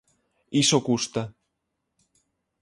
Iso custa.